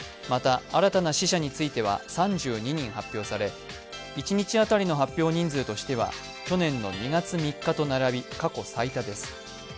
また新たな死者については３２人発表され、一日当たりの発表人数としては去年の２月３日と並び過去最多です。